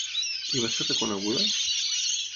I va ser reconeguda?